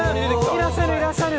いらっしゃるいらっしゃる。